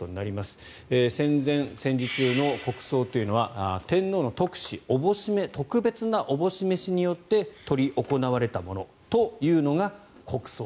戦前、戦時中の国葬というのは天皇の特旨特別な思し召しによって執り行われたものというのが国葬。